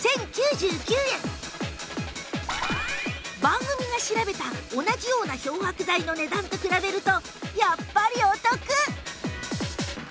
番組が調べた同じような漂白剤の値段と比べるとやっぱりお得！